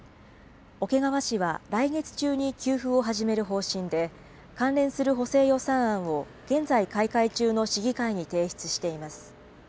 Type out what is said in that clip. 桶川市は来月中に給付を始める方針で、関連する補正予算案を現在開会中の市議会に提出しています。